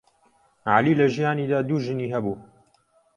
عەلی لە ژیانیدا دوو ژنی هەبوو.